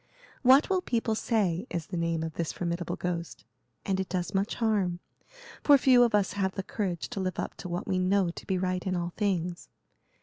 'What will people say?' is the name of this formidable ghost; and it does much harm, for few of us have the courage to live up to what we know to be right in all things.